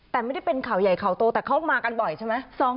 แต่ไม่ได้เป็นข่าวใหญ่ข่าวโตแต่เขามากันบ่อยใช่ไหม